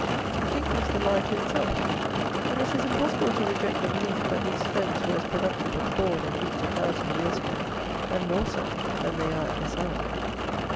The thing gives the lie to itself: and it is impossible to reject the belief, that these Fens were as productive of corn and meat a thousand years ago, and more so, than they are at this hour.